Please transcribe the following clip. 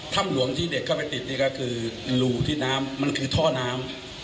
ถ้ำหลวงที่เด็กเข้าไปติดนี่ก็คือรูที่น้ำมันคือท่อน้ำ